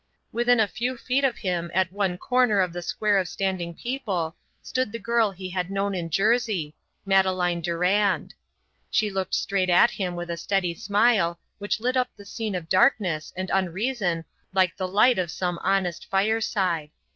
Within a few feet of him at one corner of the square of standing people stood the girl he had known in Jersey, Madeleine Durand. She looked straight at him with a steady smile which lit up the scene of darkness and unreason like the light of some honest fireside.